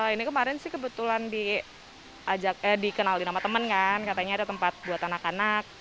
ini kemarin sih kebetulan dikenali nama teman kan katanya ada tempat buat anak anak